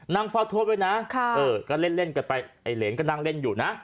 เฝ้าทวดไว้นะก็เล่นกันไปไอ้เหรนก็นั่งเล่นอยู่นะ